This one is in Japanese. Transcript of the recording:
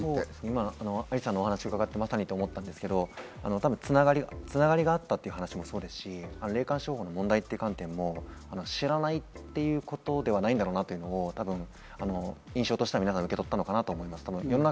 有田さんのお話を伺って、まさにと思ったんですけど、多分、繋がりがあったという話もそうですし、霊感商法の問題という観点も知らないということではないんだろうなというのは印象で皆さん受けたと思います。